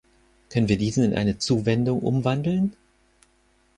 Können wir diesen in eine Zuwendung umwandeln?